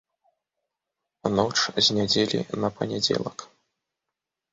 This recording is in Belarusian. Ноч з нядзелі на панядзелак.